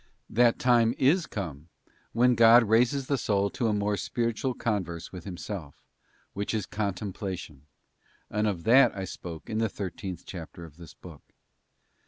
That time is come when God raises the soul to a more spiritual converse with Himself, which is contemplation, and of that I spoke in the thirteenth chapter of this book.